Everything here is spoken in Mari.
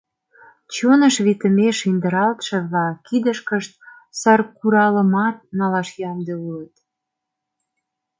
Чоныш витымеш индыралтше-влак кидышкышт саркуралымат налаш ямде улыт!..